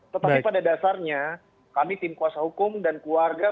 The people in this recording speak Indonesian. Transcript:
tetapi pada dasarnya kami tim kuasa hukum dan keluarga